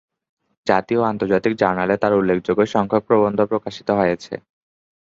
জাতীয় ও আন্তর্জাতিক জার্নালে তার উল্লেখযোগ্য সংখ্যক প্রবন্ধ প্রকাশিত হয়েছে।